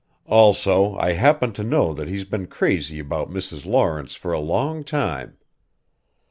"Also I happen to know that he's been crazy about Mrs. Lawrence for a long time.